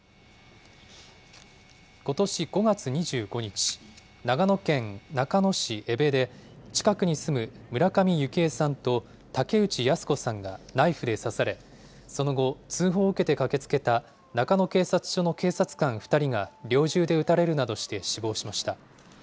ことし５月２５日、長野県中野市江部で、近くに住む村上幸枝さんと竹内靖子さんがナイフで刺され、その後、通報を受けて駆けつけた中野警察署の警察官２人が、猟銃で撃たれるなどして死亡しました。